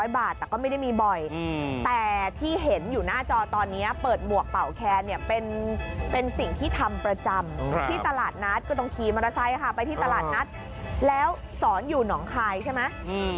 แต่ก็ไม่ได้มีบ่อยแต่ที่เห็นอยู่หน้าจอตอนนี้เปิดหมวกเป่าแคนเนี่ยเป็นสิ่งที่ทำประจำที่ตลาดนัดก็ต้องขี่มอเตอร์ไซค์ไปที่ตลาดนัดแล้วสอนอยู่หนองคายใช่ไหม